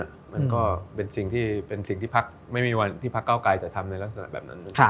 มันก็เป็นสิ่งที่ไม่มีวันที่ภาคเก้าไกลจะทำในลักษณะแบบนั้น